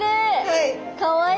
はい。